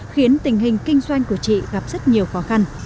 khiến tình hình kinh doanh của chị gặp rất nhiều khó khăn